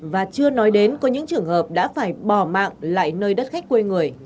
và chưa nói đến có những trường hợp đã phải bỏ mạng lại nơi đất khách quê người